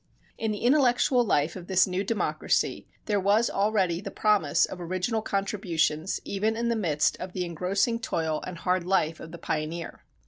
In the intellectual life of this new democracy there was already the promise of original contributions even in the midst of the engrossing toil and hard life of the pioneer.